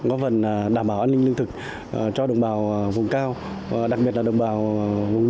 có phần đảm bảo an ninh lương thực cho đồng bào vùng cao đặc biệt là đồng bào vùng lũ